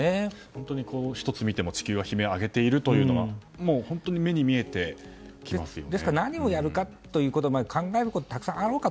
本当に１つ見ても地球が悲鳴を上げているのが本当に目に見えてきていますよね。